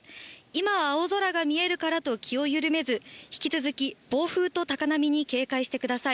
今、青空が見えるからと気をゆるめず引き続き暴風と高波に警戒してください。